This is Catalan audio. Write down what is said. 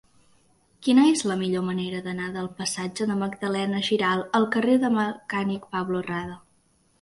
Quina és la millor manera d'anar del passatge de Magdalena Giralt al carrer del Mecànic Pablo Rada?